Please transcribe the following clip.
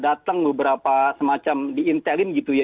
datang beberapa semacam diintelin gitu ya